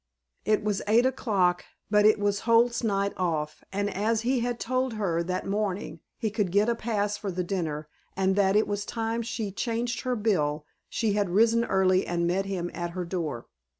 It was eight o'clock, but it was Holt's "night off" and as he had told her that morning he could get a pass for the dinner, and that it was time she "changed her bill," she had risen early and met him at her door.